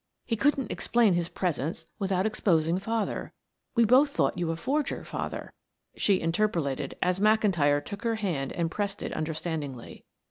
He couldn't explain his presence without exposing father we both thought you a forger, father," she interpolated, as McIntyre took her hand and pressed it understandingly.